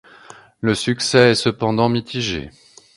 Le succès est cependant mitigé.